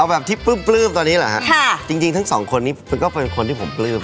เอาตะที่แปึ้มตอนนี้เหรอครับจริงทั้งสองคนนี้มันก็เป็นคนที่ผมแปึ้ม